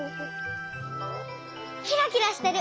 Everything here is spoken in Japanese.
キラキラしてる。